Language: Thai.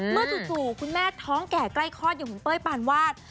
จู่คุณแม่ท้องแก่ใกล้คลอดอย่างคุณเป้ยปานวาด